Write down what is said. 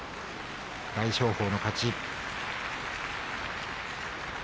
大翔鵬の勝ち。